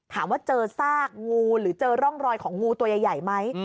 ถามว่าเจอซากงูหรือเจอร่องรอยของงูตัวใหญ่ไหม